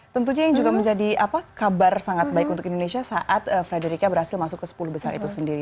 tentunya yang juga menjadi kabar sangat baik untuk indonesia saat frederica berhasil masuk ke sepuluh besar itu sendiri